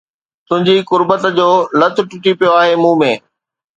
تنهنجي قربت جو لت ٽٽي پيو آهي مون ۾